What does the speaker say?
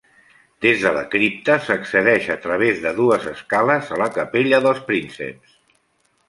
Des de la cripta s'accedeix a través de dues escales, a la capella dels Prínceps.